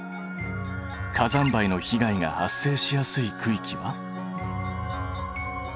火山灰の被害が発生しやすい区域は？